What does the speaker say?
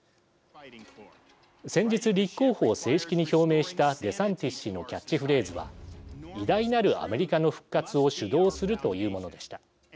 先日、立候補を正式に表明したデサンティス氏のキャッチフレーズは偉大なるアメリカの復活を主導するというものでした。